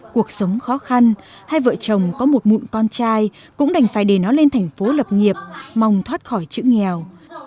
cuộc sống khó khăn hai vợ chồng có một mụn con trai cũng đành phải để nó lên thành phố lập nghiệp mong thoát khỏi chữ nghèo